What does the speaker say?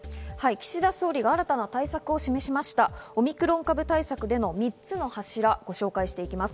岸田総理が新たな対策を示しましたオミクロン株対策での３つの柱、ご紹介していきます。